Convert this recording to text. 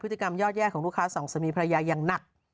พฤติกรรมยอดแย่ของลูกค้าสองสามีภรรยาอย่างหนัก